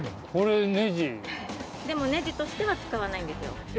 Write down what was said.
でも、ネジとしては使わないんですよ。